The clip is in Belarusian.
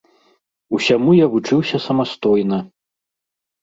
Усяму я вучыўся самастойна.